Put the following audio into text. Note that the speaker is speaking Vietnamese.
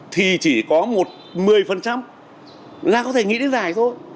thì chỉ có một một mươi là có thể nghĩ đến giải thôi